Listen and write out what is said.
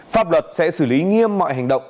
pháp luật sẽ xử lý nghiêm mọi hành động